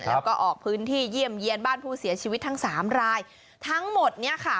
แล้วก็ออกพื้นที่เยี่ยมเยี่ยนบ้านผู้เสียชีวิตทั้งสามรายทั้งหมดเนี้ยค่ะ